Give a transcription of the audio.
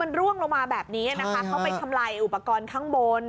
มันร่วงลงมาแบบนี้นะคะเขาไปทำลายอุปกรณ์ข้างบน